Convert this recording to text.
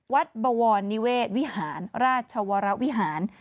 บวรนิเวศวิหารราชวรวิหาร